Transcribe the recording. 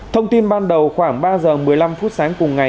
thông tin ban đầu khoảng ba giờ một mươi năm phút sáng cùng ngày